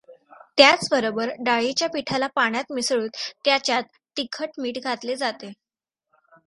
त्याचबरोबर डाळीच्या पिठाला पाण्यात मिसळून त्याच्यात तिखट मीठ घातले जाते.